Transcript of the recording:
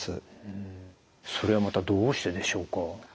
それはまたどうしてでしょうか？